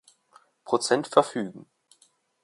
Prozent verfügen.